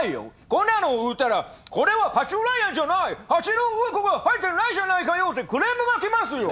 こんなの売ったら「これはパッチューラーヤンじゃない！蜂のうんこが入ってないじゃないかよ！」ってクレームがきますよ！